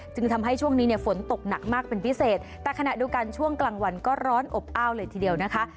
จึงทำให้ช่วงนี้เนี่ยฝนตกหนักมากเป็นพิเศษแต่ขณะเดียวกันช่วงกลางวันก็ร้อนอบอ้าวเลยทีเดียวนะคะ